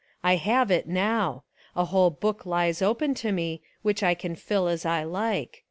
I have It now. A whole book lies open to me, which I can fill as I like.